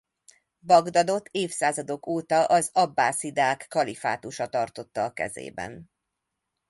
Bagdadot évszázadok óta az Abbászidák kalifátusa tartotta a kezében.